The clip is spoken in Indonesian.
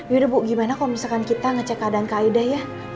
yaudah bu gimana kalau misalkan kita ngecek keadaan kaedah ya